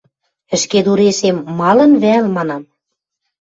Ӹшкедурешем: «Малын вӓл?» – манам.